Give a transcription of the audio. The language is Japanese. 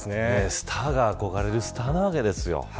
スターが憧れるスターなわけです。